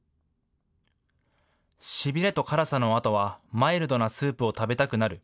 しびれと辛さのあとはマイルドなスープを食べたくなる。